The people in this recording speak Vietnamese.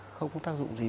không có tác dụng gì